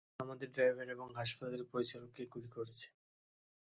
তারা আমাদের ড্রাইভার এবং হাসপাতালের পরিচালককে গুলি করেছে।